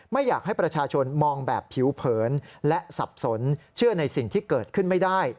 ไม่อยากให้ประชาชนมองแบบผิวเผินและสับสนเชื่อในสิ่งที่เกิดขึ้นไม่ได้